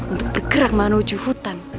untuk bergerak menuju hutan